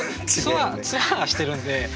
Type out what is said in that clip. ツアーしてるんで。